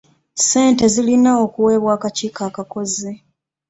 Ssente zirina okuweebwa akakiiko akakozi..